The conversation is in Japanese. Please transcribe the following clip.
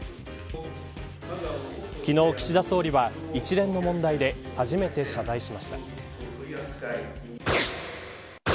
昨日、岸田総理は一連の問題で初めて謝罪しました。